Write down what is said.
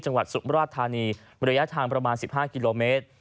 จังหวัดสุราธารณีระยะทางประมาณ๑๕กิโลเมตร